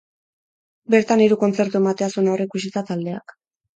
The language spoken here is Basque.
Bertan hiru kontzertu ematea zuen aurreikusita taldeak.